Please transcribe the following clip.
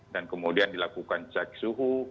dan kemudian dilakukan cek suhu